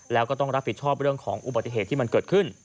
แล้วก็ต้องรับผิดชอบเรื่องของอุบัติเหตุที่มันเกิดขึ้น